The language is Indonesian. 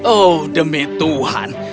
oh demi tuhan